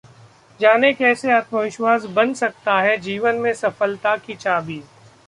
जानें- कैसे आत्मविश्वास बन सकता है जीवन में सफलता की चाबी